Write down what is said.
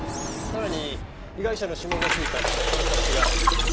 さらに被害者の指紋が付いたこの冊子が。